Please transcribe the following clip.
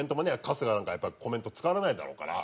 春日なんかやっぱりコメント使われないだろうから。